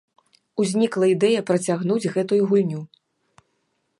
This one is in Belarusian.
Узнікла ідэя працягнуць гэтую гульню.